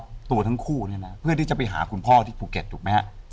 ตัวครอบครัวทั้งคู่เพื่อนที่จะไปหาคุณพ่อที่ภูเก็ตถูกมั้ยฮะ